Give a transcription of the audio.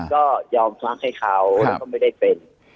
ก็ยอมรับให้เขาแล้วก็ไม่ได้เป็น